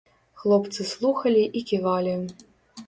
Хлопцы слухалі і ківалі.